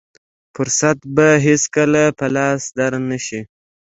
فرصت به هېڅکله په لاس در نه شي.